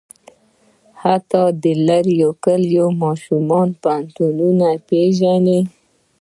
حتی د لرې کلي ماشوم پوهنتون پېژني.